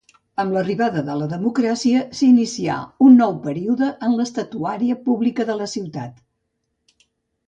Amb l'arribada de la democràcia s’inicià un nou període en l'estatuària pública de la ciutat.